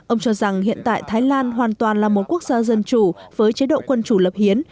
ông cho rằng hiện tại thái lan hoàn toàn là một quốc gia dân chủ với chế độ quân chủ lập hiến